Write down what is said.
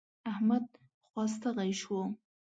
احمد خوا ستغی شو.